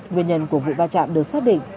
nguyên nhân của vụ va chạm được xác định